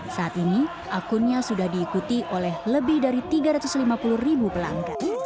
saat ini akunnya sudah diikuti oleh lebih dari tiga ratus lima puluh ribu pelanggan